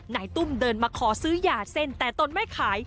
นายตุ้มเดินมาขอซื้อยาเส้นแต่ตนไม่ขาย